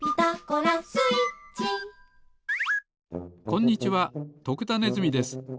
こんにちは徳田ネズミです。